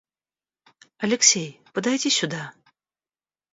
Алексей, подойди сюда.